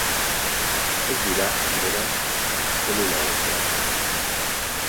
Ez dira, beraz, zelula osoak.